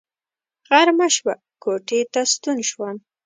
غرمه شوه کوټې ته ستون شوم.